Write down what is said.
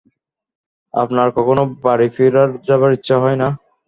আপনার কখনো বাড়ি ফিরে যাবার ইচ্ছে হয় না?